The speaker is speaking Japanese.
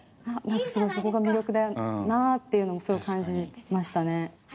何かすごいそこが魅力だなっていうのもすごく感じましたね